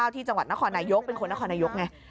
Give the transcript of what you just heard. ที่จังหวัดนครนายกเป็นคนนครนายกไง